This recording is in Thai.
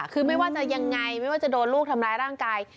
คือไม่ว่าจะยังไงไม่ว่าจะโดนลูกทำร้ายร่างกาย